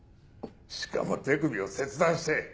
しかも手首を切断して。